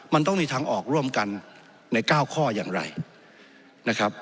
มันต้องมีทางออกร่วมกันใน๙ข้ออย่างไรนะครับ